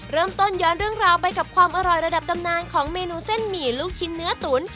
เริ่มต้นย้อนเรื่องราวไปกับความอร่อยระดับตำนานของเมนูเส้นหมี่ลูกชิ้นเนื้อตุ๋น